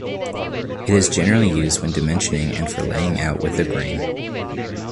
It is generally used when dimensioning and for laying out with the grain.